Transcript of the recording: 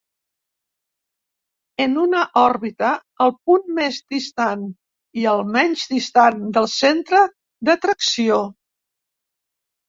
En una òrbita, el punt més distant i el menys distant del centre d'atracció.